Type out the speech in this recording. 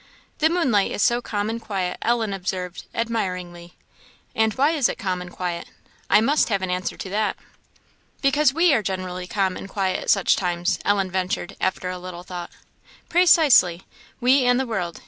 "The moonlight is so calm and quiet," Ellen observed, admiringly. "And why is it calm and quiet? I must have an answer to that." "Because we are generally calm and quiet at such times?" Ellen ventured, after a little thought. "Precisely! we and the world.